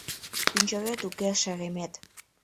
Пӱнчерет уке, шеремет.